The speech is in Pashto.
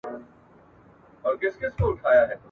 نه را ګرځي بیا د اوسپني په ملو !.